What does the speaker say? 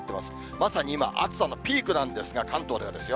まさに今、暑さのピークなんですが、関東ではですよ。